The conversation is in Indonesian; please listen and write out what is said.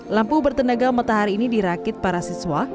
lampu bertenaga matahari ini dirakit para siswa